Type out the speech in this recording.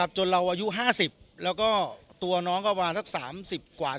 จนเราอายุ๕๐แล้วก็ตัวน้องก็ประมาณสัก๓๐กว่า